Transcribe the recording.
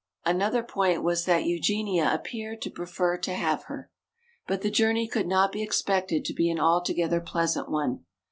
Another point was that Eugenia appeared to prefer to have her. But the journey could not be expected to be an altogether pleasant one.